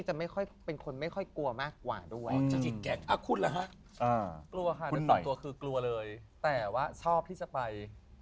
แต่ว่าชอบที่จะไป